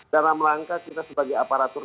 dalam rangka kita sebagai aparatur